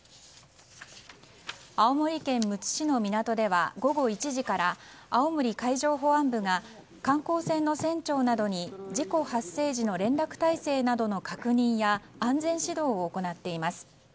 青森県むつ市の港では午後１時から青森海上保安部が観光船の船長などに事故発生時の連絡体制などの確認や安全指導を行っています。